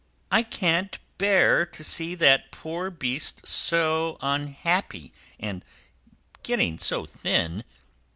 I can't bear to see that poor beast so unhappy, and getting so thin!